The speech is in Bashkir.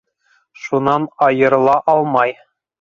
Шунан айырыла алмай.